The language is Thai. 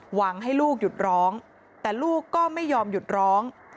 หวังให้ลูกหยุดร้องแต่ลูกก็ไม่ยอมหยุดร้อง